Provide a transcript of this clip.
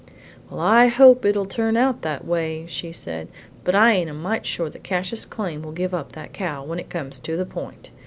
"Well, I hope it'll turn out that way," she said. "But I ain't a mite sure that Cassius Came will give up that cow when it comes to the point.